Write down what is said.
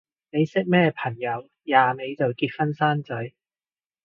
你識咩朋友廿尾就結婚生仔？